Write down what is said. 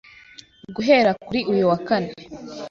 guhera kuri uyu wa kane,